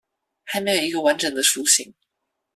還沒有一個完整的雛型